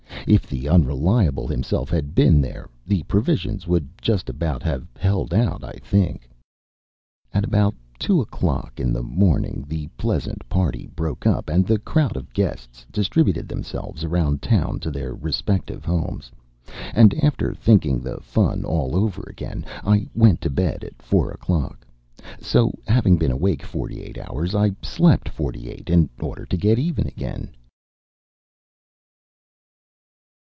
If the Unreliable himself had been there, the provisions would just about have held out, I think. ... At about two o'clock in the morning the pleasant party broke up and the crowd of guests distributed themselves around town to their respective homes; and after thinking the fun all over again, I went to bed at four o'clock. So having been awake forty eight hours, I slept forty eight, in order to get even again.